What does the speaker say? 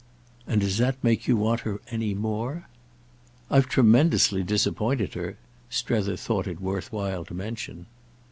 "And does that make you want her any more?" "I've tremendously disappointed her," Strether thought it worth while to mention.